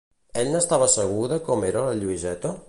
Ell n'estava segur de com era la Lluïseta?